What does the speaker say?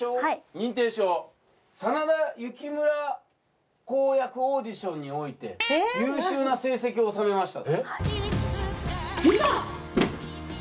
認定証真田幸村公役オーディションにおいて優秀な成績を収めましたっていざ出陣じゃ！